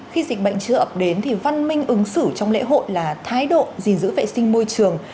khi dịch bệnh chưa ập đến thì văn minh ứng xử trong lễ hội là thái độ gìn giữ vệ sinh môi trường